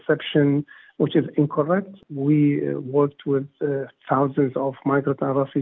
kami telah bekerja dengan ribuan migran dan penyelamatan